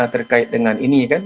terkait dengan ini kan